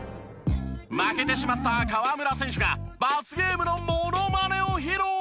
負けてしまった河村選手が罰ゲームのモノマネを披露！